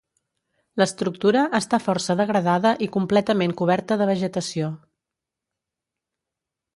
L'estructura està força degradada i completament coberta de vegetació.